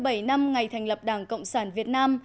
trên kỷ niệm tám mươi bảy năm ngày thành lập đảng cộng sản việt nam